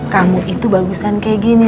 kamu itu bagusan kayak gini